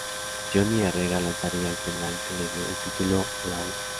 Johnny Herrera lanzaría el penal que le dio el título a la "U".